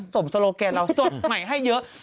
สมโสโลแกตเราให้เยอะ